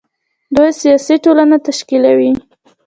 دوی سیاسي ټولنه تشکیلوي.